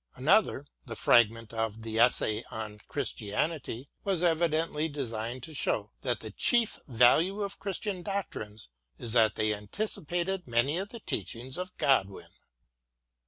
Another, the Fragment of the Essay on Christianity," was evidently designed to show 78 WILLIAM GODWIN AND that the chief value of Christian doctrines is that they anticipated many of the teachings of Godwin.